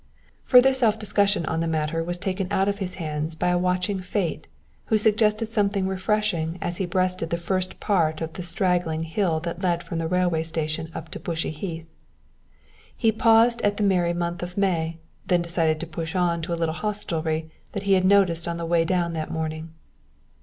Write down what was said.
Further self discussion on the matter was taken out of his hands by a watching Fate who suggested something refreshing as he breasted the first part of the straggling hill that led from the railway station up to Bushey Heath. He paused at the Merry Month of May, then decided to push on to a little hostelry that he had noticed on the way down that morning.